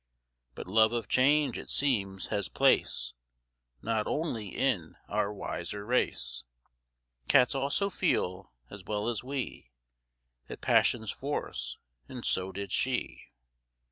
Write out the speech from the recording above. But love of change, it seems, has place Not only in our wiser race; Cats also feel, as well as we, That passion's force, and so did she.